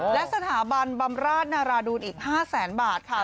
และสถาบันบำราชนาราดูนอีก๕แสนบาทค่ะ